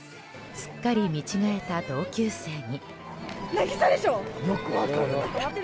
すっかり見違えた同級生に。